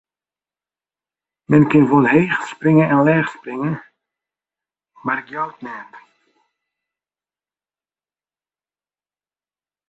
Men kin wol heech springe en leech springe, mar it jout neat.